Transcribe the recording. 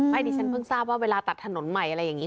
ดิฉันเพิ่งทราบว่าเวลาตัดถนนใหม่อะไรอย่างนี้